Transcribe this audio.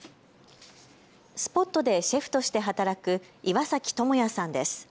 スポットでシェフとして働く岩崎朋哉さんです。